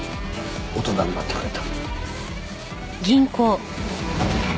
大人になってくれた。